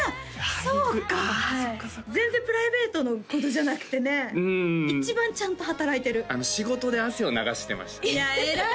そうか全然プライベートのことじゃなくてねうん一番ちゃんと働いてる仕事で汗を流してましたねいや偉い！